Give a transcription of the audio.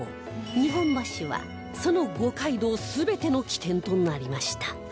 日本橋はその五街道全ての起点となりました